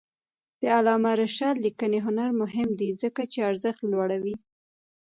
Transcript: د علامه رشاد لیکنی هنر مهم دی ځکه چې ارزښت لوړوي.